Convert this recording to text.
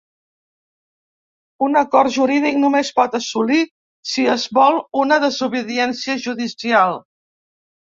Un acord jurídic només pot assolir si es vol, una desobediència judicial.